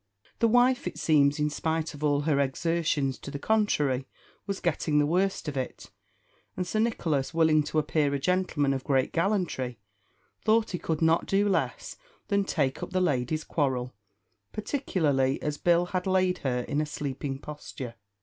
The wife, it seems, in spite of all her exertions to the contrary, was getting the worst of it; and Sir Nicholas, willing to appear a gentleman of great gallantry, thought he could not do less than take up the lady's quarrel, particularly as Bill had laid her in a sleeping posture.